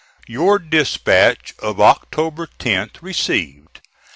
"Your dispatch of October 10th received.